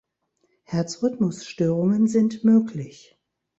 Herzrhythmusstörungen sind möglich.